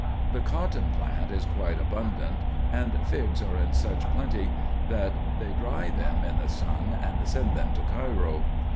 The cotton plant is quite abundant ; and figs are in such plenty, that they dry them in the sun, and send them to Cairo.